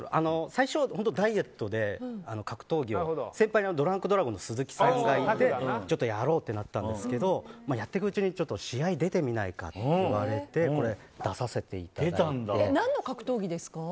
最初本当にダイエットで格闘技を先輩のドランクドラゴンの鈴木さんがいてちょっとやろうってなったんですけどやっていくうちに試合出てみないかって言われて何の格闘技ですか？